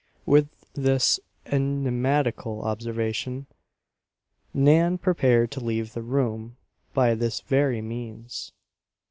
With this enigmatical observation Nan prepared to leave the room by this very means.